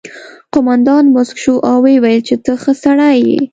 قومندان موسک شو او وویل چې ته ښه سړی یې